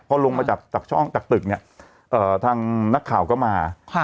พอลงมาจากช่องจากตึกเนี่ยทางนักข่าวก็มา